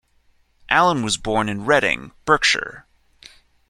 Allen was born in Reading, Berkshire.